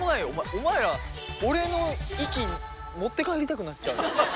お前ら俺の息持って帰りたくなっちゃうよ。